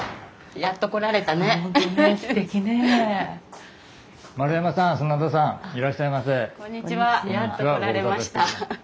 やっと来られました。